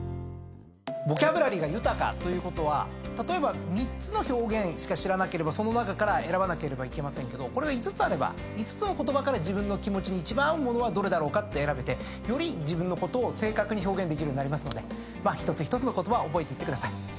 ボキャブラリーが豊かということは例えば３つの表現しか知らなければその中から選ばなければいけませんけど５つあれば５つの言葉から自分の気持ちに一番合うものはどれだろうかって選べてより自分のことを正確に表現できるようになりますので一つ一つの言葉覚えてください。